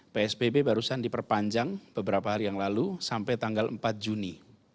psbb barusan diperpanjang beberapa hari yang lalu sampai tanggal empat juni